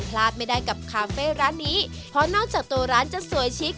พลาดไม่ได้กับคาเฟ่ร้านนี้เพราะนอกจากตัวร้านจะสวยชิค